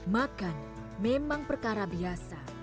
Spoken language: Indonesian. makan memang perkara biasa